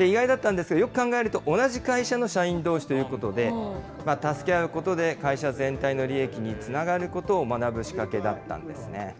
意外だったんですが、よく考えると、同じ会社の社員どうしということで、助け合うことで、会社全体の利益につながることを学ぶ仕掛けだったんですね。